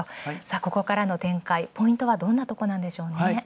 ここからの展開、ポイントはどんなところでしょう。